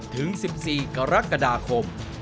ถึง๑๔กรกฎาคม